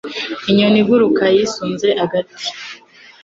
Inyoni iguruka yisunze agati